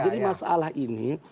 jadi masalah ini